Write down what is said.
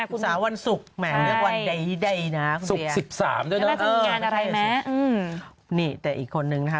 คุณสาววันศุกร์แหม่งวันใดนะคุณเบียร์น่าจะมีงานอะไรไหมนี่แต่อีกคนนึงนะคะ